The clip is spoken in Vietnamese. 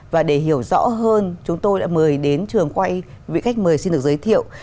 và để hiểu rõ hơn chúng tôi đã mời đến trường quay vị khách mời xin được giới thiệu